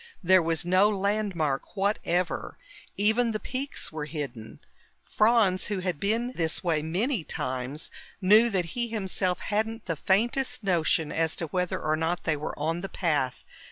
There was no landmark whatever; even the peaks were hidden. Franz, who had been this way many times, knew that he himself hadn't the faintest notion as to whether or not they were on the path.